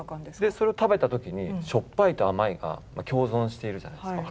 それを食べた時にしょっぱいと甘いが共存しているじゃないですか。